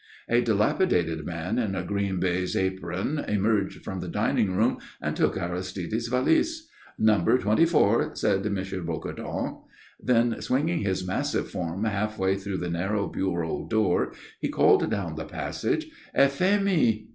A dilapidated man in a green baize apron emerged from the dining room and took Aristide's valise. "No. 24," said M. Bocardon. Then, swinging his massive form halfway through the narrow bureau door, he called down the passage, "Euphémie!"